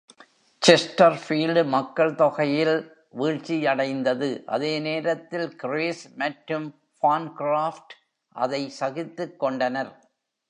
செஸ்டர்ஃபீல்ட் மக்கள்தொகையில் வீழ்ச்சியடைந்தது அதே நேரத்தில் கிரேஸ் மற்றும் பான்கிராப்ட் அதை சகித்துக்கொண்டனர்.